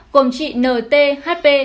gồm chị nt hp